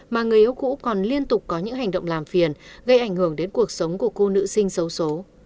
mà người yêu cũ còn liên tục có những hành động làm phiền gây ảnh hưởng đến cuộc sống của cô nữ sinh xấu số